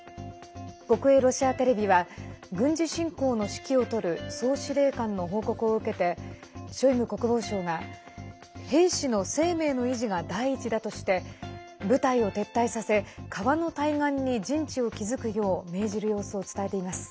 国営ロシアテレビは軍事侵攻の指揮を執る総司令官の報告を受けてショイグ国防相が兵士の生命の維持が第一だとして部隊を撤退させ川の対岸に陣地を築くよう命じる様子を伝えています。